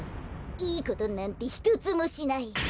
いいことなんてひとつもしない。